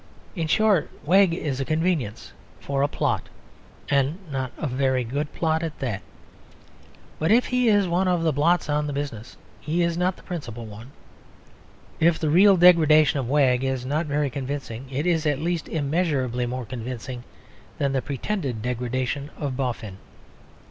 In short, Wegg is a convenience for a plot and not a very good plot at that. But if he is one of the blots on the business, he is not the principal one. If the real degradation of Wegg is not very convincing, it is at least immeasurably more convincing than the pretended degradation of Boffin.